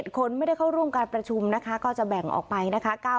คนไม่ได้เข้าร่วมการประชุมนะคะก็จะแบ่งออกไปนะคะ